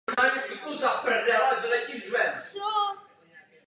Českou obdobou jména je Anděla.